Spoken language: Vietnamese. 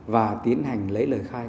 và tiến hành lấy lời khai